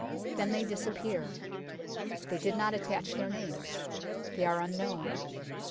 Then they disappear. They did not attach their names. They are unknown.